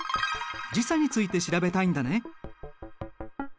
時差について調べたいんだね。